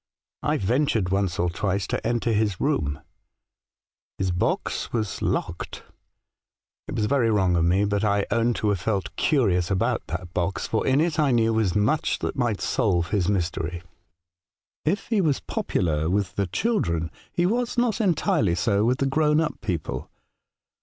I ventured once or twice to enter his room. His box was A Strange Letter, 49 locked. It was very wrong of me, but I own to have felt curious about that box, for in it I knew was much that might solve his mystery. *' If he was popular with the children, he was not entirely so with the grown up people.